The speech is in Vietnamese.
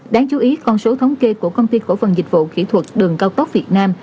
đáng chú ý con số thống kê của công ty cổ phần dịch vụ kỹ thuật đường cao tốc việt nam